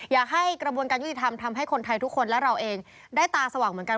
อยากให้กระบวนการยุติธรรมทำให้คนไทยทุกคนและเราเองได้ตาสว่างเหมือนกัน